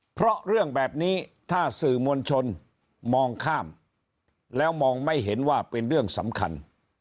เพราะเรื่องแบบนี้ถ้าสื่อมวลชนมองข้ามแล้วมองไม่เห็นว่าเป็นเรื่องสำคัญ